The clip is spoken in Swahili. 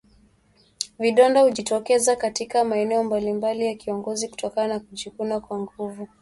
Vidonda hujitokeza katika maeneo mbalimbali ya ngozi kutokana na kujikuna kwa nguvu